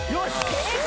正解！